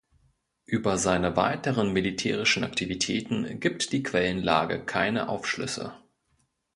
Über seine weiteren militärischen Aktivitäten gibt die Quellenlage keine Aufschlüsse.